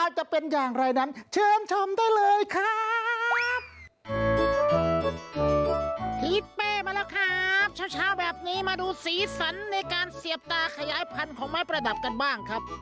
เป้มาแล้วครับเช้าเช้าแบบนี้มาดูสีสันในการเสียบตาขยายพันธุ์ของไม้ประดับกันบ้างครับ